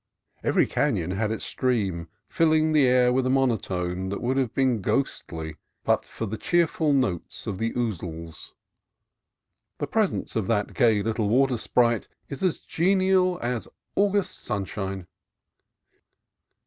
Every canon had its stream, filling the air with a monotone that would have been ghostly but for the cheerful notes of the ouzels. The presence of that gay little water sprite is as genial as August sunshine.